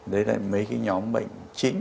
đấy là mấy cái nhóm bệnh chính